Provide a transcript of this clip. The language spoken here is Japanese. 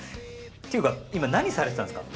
っていうか今何されてたんですか？